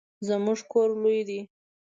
زمونږ کور لوی دی